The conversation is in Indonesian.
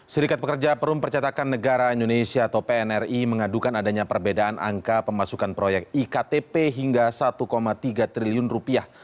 serikat pekerja perum percetakan negara indonesia atau pnri mengadukan adanya perbedaan angka pemasukan proyek iktp hingga satu tiga triliun rupiah